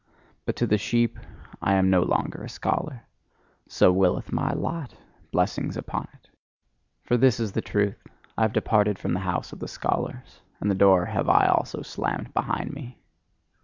But to the sheep I am no longer a scholar: so willeth my lot blessings upon it! For this is the truth: I have departed from the house of the scholars, and the door have I also slammed behind me.